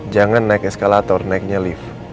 jangan naik eskalator naiknya lift